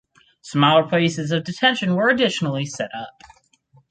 Smaller places of detention were additionally set up.